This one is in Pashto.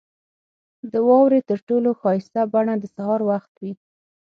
• د واورې تر ټولو ښایسته بڼه د سهار وخت وي.